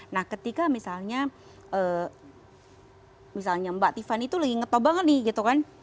nah ketika misalnya mbak tiffany itu lagi ngetop banget nih gitu kan